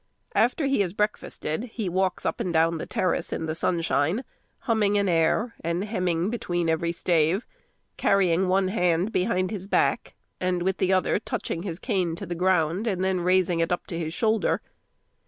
After he has breakfasted, he walks up and down the terrace in the sunshine, humming an air, and hemming between every stave, carrying one hand behind his back, and with the other touching his cane to the ground, and then raising it up to his shoulder.